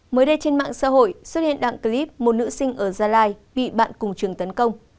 mới đây trên mạng xã hội xuất hiện đoạn clip một nữ sinh ở gia lai bị bạn cùng trường tấn công